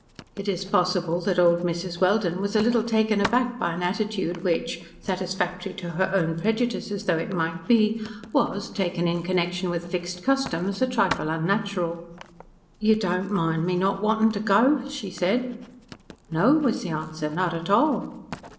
It is possible that old Mrs. Welden was a little taken aback by an attitude which, satisfactory to her own prejudices though it might be, was, taken in connection with fixed customs, a trifle unnatural. "You don't mind me not wantin' to go?" she said. "No," was the answer, "not at all."